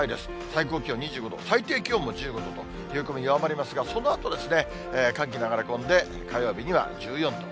最高気温２５度、最低気温も１５度と、冷え込み弱まりますが、そのあと寒気が流れ込んで、火曜日には１４度。